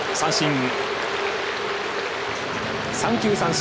三振。